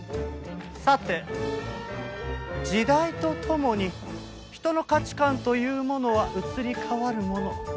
さて時代とともに人の価値観というものは移り変わるもの。